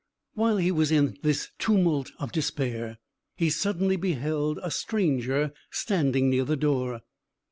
While he was in this tumult of despair, he suddenly beheld a stranger standing near the door.